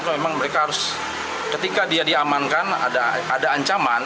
memang mereka harus ketika dia diamankan ada ancaman